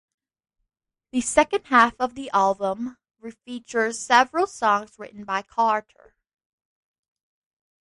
The second half of the album features several songs written by Carter.